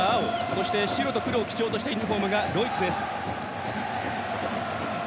そして白と黒を基調としたユニフォームがドイツです。